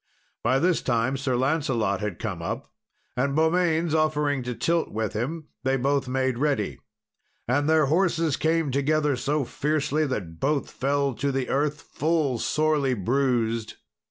By this time, Sir Lancelot had come up, and Beaumains offering to tilt with him, they both made ready. And their horses came together so fiercely that both fell to the earth, full sorely bruised.